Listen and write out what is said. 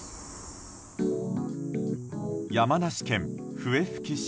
山梨県笛吹市。